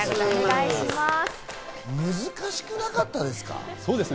難しくなかったですか？